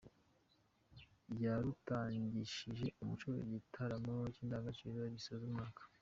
Yarutanagishije Umuco Igitaramo cy’indangamirwa gisoza umwaka